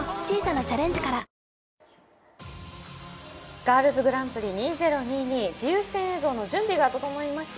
ガールズグランプリ２０２２、自由視点映像の準備が整いました。